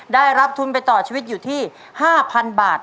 ได้รับทุนไปต่อชีวิตอยู่ที่๕๐๐๐บาท